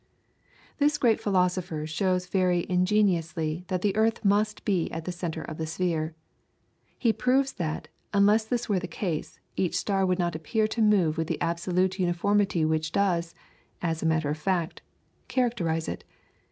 This great philosopher shows very ingeniously that the earth must be at the centre of the sphere. He proves that, unless this were the case, each star would not appear to move with the absolute uniformity which does, as a matter of fact, characterise it.